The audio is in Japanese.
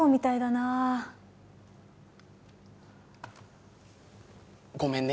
なごめんね